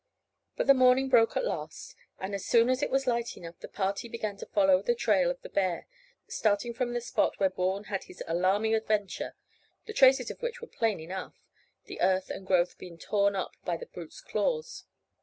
But the morning broke at last, and as soon as it was light enough the party began to follow the trail of the bear, starting from the spot where Bourne had his alarming adventure, the traces of which were plain enough, the earth and growth being torn up by the brute's claws.